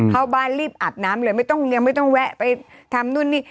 เข้าบ้านรีบอาบน้ำเลยไม่ต้องยังไม่ต้องแวะไปทำนู่นนี่